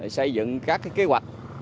xây dựng các kế hoạch